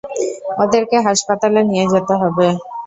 ওদেরকে হাসপাতালে নিয়ে যেতে হবে।